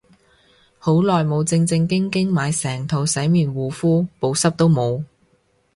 好耐冇正正經經買成套洗面護膚，補濕都冇